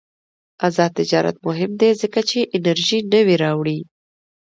آزاد تجارت مهم دی ځکه چې انرژي نوې راوړي.